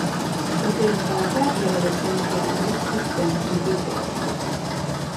De su infancia y adolescencia no existen noticias.